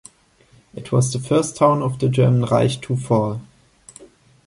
It was the first town of the German Reich to fall.